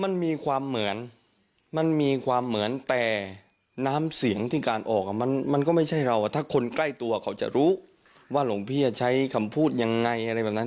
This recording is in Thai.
มันมีความเหมือนมันมีความเหมือนแต่น้ำเสียงที่การออกมันก็ไม่ใช่เราถ้าคนใกล้ตัวเขาจะรู้ว่าหลวงพี่จะใช้คำพูดยังไงอะไรแบบนั้น